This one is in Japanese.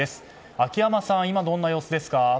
秋山さん、どんな様子ですか？